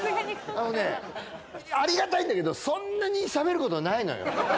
あのねありがたいんだけどそんなにしゃべることないのよ。